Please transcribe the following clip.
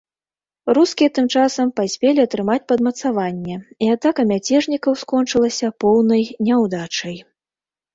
Рускія тым часам паспелі атрымаць падмацаванне, і атака мяцежнікаў скончылася поўнай няўдачай.